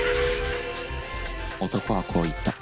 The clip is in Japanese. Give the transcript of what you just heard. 男はこう言った。